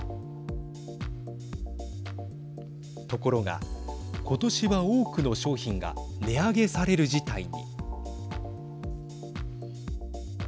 ところが今年は多くの商品が値上げされる事態に。